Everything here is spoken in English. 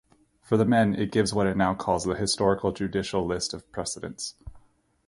For the men, it gives what it now calls the Historical-Juridical List of Precedence.